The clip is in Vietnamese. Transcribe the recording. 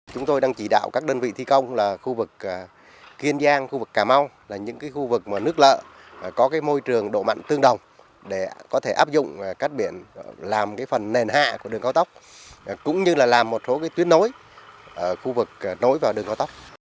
chúng tôi đang chỉ đạo các đơn vị thi công là khu vực kiên giang khu vực cà mau là những khu vực nước lợ có môi trường độ mặn tương đồng để có thể áp dụng cắt biển làm phần nền hạ của đường cao tốc cũng như là làm một số tuyến nối ở khu vực nối vào đường cao tốc